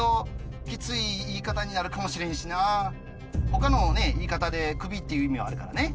他の言い方でクビっていう意味もあるからね。